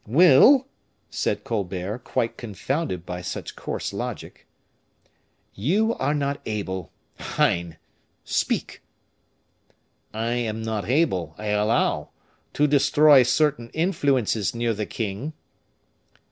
"Will!" said Colbert, quite confounded by such coarse logic. "You are not able, hein! Speak." "I am not able, I allow, to destroy certain influences near the king."